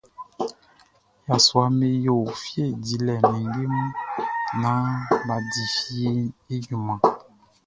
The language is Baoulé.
Yasuaʼm be yo fie dilɛ ninnge mun naan bʼa di fieʼn i junman.